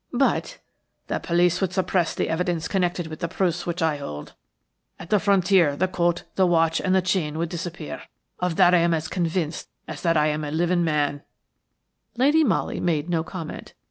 "But–" "The police would suppress the evidence connected with the proofs which I hold. At the frontier the coat, the watch and chain would disappear; of that I am as convinced as that I am a living man–" Lady Molly made no comment.